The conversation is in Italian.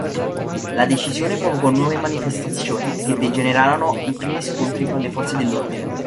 La decisione provocò nuove manifestazioni, che degenerarono in primi scontri con le forze dell'ordine.